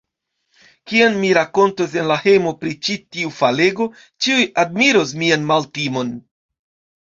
Kiam mi rakontos en la hejmo pri ĉi tiu falego, ĉiuj admiros mian maltimon.